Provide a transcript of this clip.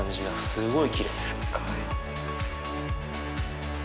すごい。